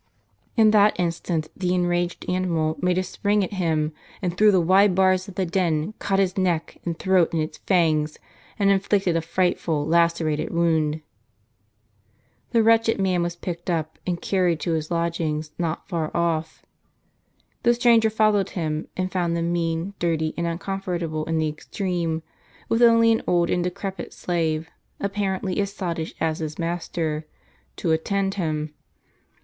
In that instant, the enraged animal made a spring at him, and through the wide bars of the den, caught his neck and throat in its fangs, and inflicted a frightful lacerated wound. The wretched man was picked up, and carried to his lodg ings, not far off. The stranger followed him, and found them mean, dirty, and uncomfortable in the extreme ; with only an old and decrepit slave, apparently as sottish as his master, to attend him.